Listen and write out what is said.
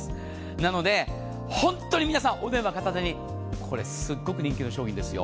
なので、本当に皆さんお電話片手にこれ、すごく人気の商品ですよ。